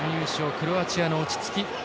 クロアチアの落ち着き。